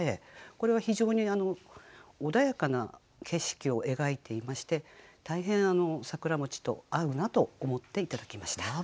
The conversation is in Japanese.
これは非常に穏やかな景色を描いていまして大変「桜」と合うなと思って頂きました。